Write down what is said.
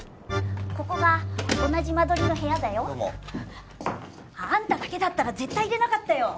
ここが同じ間取りの部屋だよどうもあんただけだったら絶対入れなかったよ